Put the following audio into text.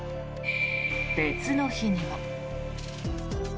別の日にも。